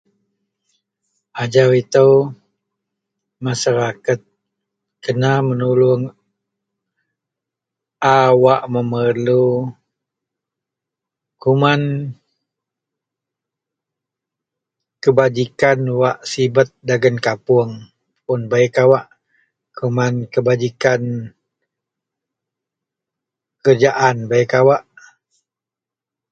Ajau itou masaraket kena menuluong a wak memerlu kuman kebajikan wak sibet kuman dagen kapuong puun bei kawak, kuman kebajikan kerajaan bei kawak.